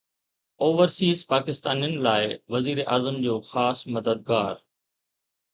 overseas پاڪستانين لاءِ وزيراعظم جو خاص مددگار